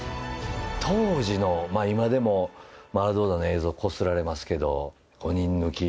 当時の、まあ今でもマラドーナの映像こすられますけど、５人抜き。